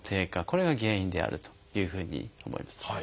これが原因であるというふうに思います。